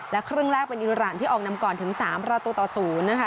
และครึ่งแรกเป็นอิราณที่ออกนำก่อนถึง๓ประตูต่อ๐นะคะ